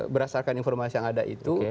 berdasarkan informasi yang ada itu